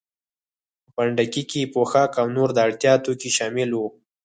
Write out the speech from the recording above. په پنډکي کې پوښاک او نور د اړتیا توکي شامل وو.